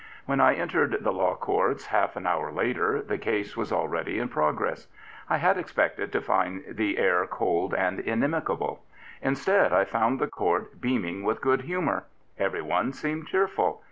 When I entered the Law Courts half an hour later, the case was already in progress. I had expected to find the air cold and in|jftical. Instead, I found the court beaming with good humour. Everyone seemed cheerful.